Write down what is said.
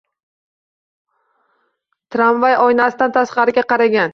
Tramvay oynasidan tashqariga qaragan